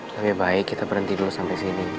lebih baik kita berhenti dulu sampai sini